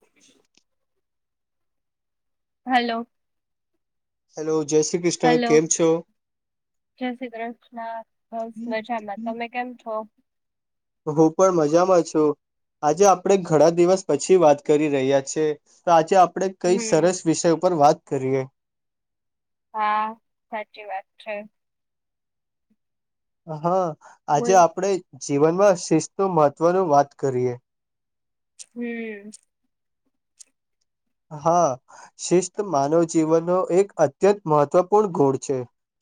તે પછી hello hello જય શ્રી કૃષ્ણ હલો કેમ છો ના બસ હું મજામાં તમે કેમ છો હું પણ મજામાં છું આજે આપણે ઘણા દિવસ પછી વાત કરી રહ્યા છે તો આજે આપ આપણે કઈ હમ સરસ વિષય પર વાત કરીએ હા સાચી વાત છે હા આજે બોલ આપણે જીવનમાં શિસ્ નુ મહત્વનું વાત કરીએ હમ હા શિસ્ત માનવ જીવનનો એક અત્યંત મહત્ત્વપૂર્ણ ગોળ છે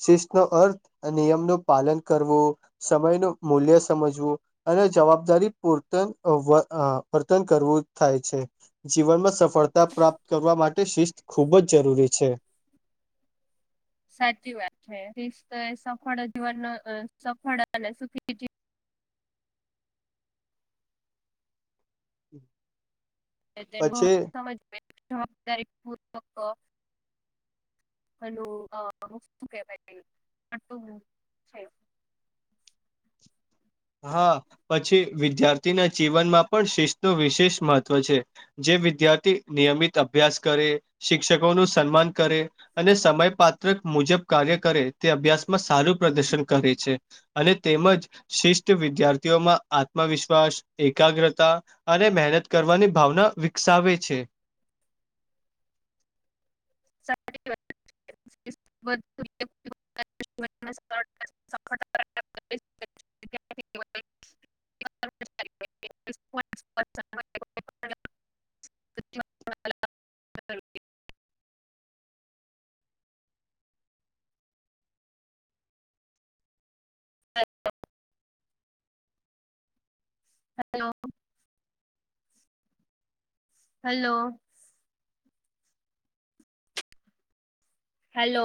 શિસ્ નો અર્થ નિયમ નું પાલન કરવું સમય નું મૂલ્ય સમજવું અનેક જવાબદારી પૂરતન અવા આવર્તન કરવું થાય છે જીવનમાં સફળ માટે શિસ્ત ખૂબ જ જરૂરી છે સાચી વાત છે રિસ્તો તો એ સફળ જીવન નુ અ સફળ અને સુખી તેનું પછી સમજ જવાબદારી પૂર્વક પેલું અ મુખ્ય શું કહેવાય તે આટલું છે [unintelligible] હા પછી વિદ્યાર્થીના જીવનમાં પણ શિસ્ત નો વિશેષ મહત્વ છે જે એ વિદ્યાર્થી નિયમિત અભ્યાસ કરે શિક્ષકો નું સન્માન કરે અને સમયપાત્ર મુજબ કાર્ય કરે તે અભ્યાસમાં સારું પ્રદર્શન કરે છે અને તેમજ શિસ્ત તો વિદ્યાર્થીઓમાં આત્મવિશ્વાસ એકાગ્રતા અને મહેનત કરવાની ભાવના વિકસ ચાવે છે [inaudible] [inaudible] [inaudible] હ હે તો હલો હેલો હેલો